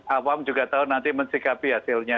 awam juga tahu nanti mensikapi hasilnya